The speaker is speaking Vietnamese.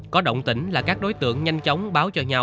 có động tỉnh là các đối tượng nhanh chóng bán chất gây nghiện